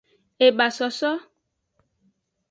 Ebasoso.